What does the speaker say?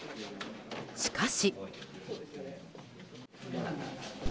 しかし。